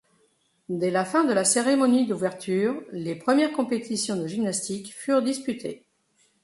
Dès la fin de la cérémonie d'ouverture, les premières compétitions de gymnastique furent disputées.